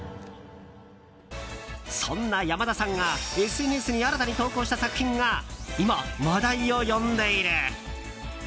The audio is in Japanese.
そんな山田さんがＳＮＳに新たに投稿した作品が今、話題を呼んでいる。